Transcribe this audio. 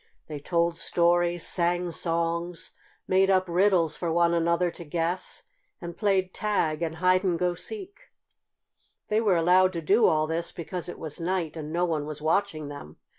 They told stories, sang songs, made up riddles for one another to guess and played tag and hide and go seek. They were allowed to do all this because it was night and no one was watching them.